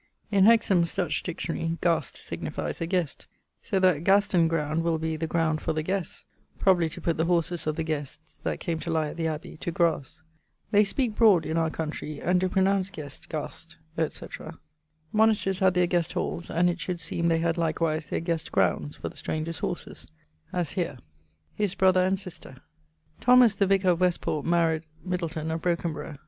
In Hexham's Dutch dictionary Gast signifies 'a guest'; so that Gasten ground will be 'the ground for the guests'; probably to putt the horses of the guests (that came to lye at the abbey) to grasse. They speake broad in our countrey, and do pronounce guest, gast, etc. Monasterys had their guest halls; and it should seeme they had likewise their guest grounds for the strangers' horses: as here. <_His brother and sister._> Thomas, the vicar of Westport, maried ... Middleton[FI] of Brokenborough[XCIII.